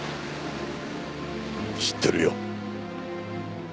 知ってるよ。